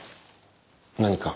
何か？